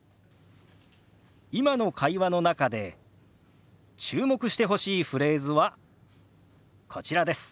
今の会話の中で注目してほしいフレーズはこちらです。